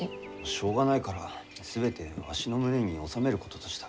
しょうがないから全てわしの胸に納めることとした。